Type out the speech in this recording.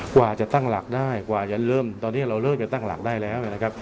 กว่าจะตั้งหลักได้กว่าจะเริ่มตอนนี้เราเริ่มจะตั้งหลักได้แล้วนะครับ